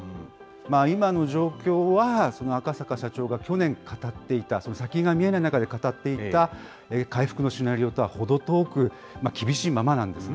今の状況は赤坂社長が去年語っていた、先が見えない中で語っていた回復のシナリオとは程遠く、厳しいままなんですね。